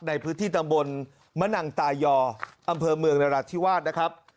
ในพื้นที่ตำบลมะนังตายออำเภอเมืองนราธิวาสนะครับ